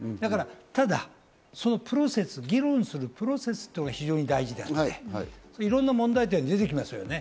ただ、そのプロセス、議論するプロセスというのが非常に大事で、いろんな問題点が出てきますよね。